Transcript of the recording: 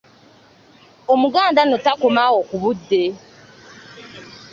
Omuganda nno takoma awo ku budde.